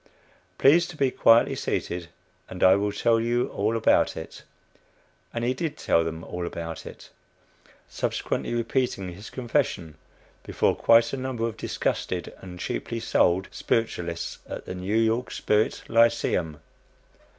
Please to be quietly seated, and I will tell you all about it." And he did tell them all about it; subsequently repeating his confession before quite a number of disgusted and cheaply sold spiritualists at the "New York Spiritual Lyceum."